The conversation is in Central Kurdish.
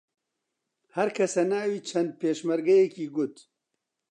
هەر کەسە ناوی چەند پێشمەرگەیەکی گوت